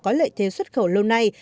có lợi thế xuất khẩu lâu nay